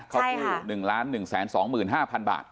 เข้ากู้๑๑๒๕๐๐๐บาท